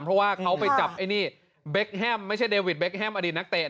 เพราะว่าเขาไปจับไอ้นี่เบคแฮมไม่ใช่เดวิดเคมอดีตนักเตะ